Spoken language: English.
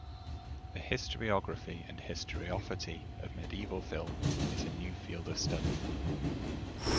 The historiography and historiophoty of medieval film is a new field of study.